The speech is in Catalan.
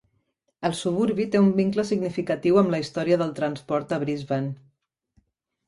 El suburbi té un vincle significatiu amb la història del transport a Brisbane.